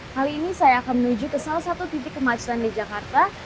kali ini saya akan menuju ke salah satu titik kemacetan di jakarta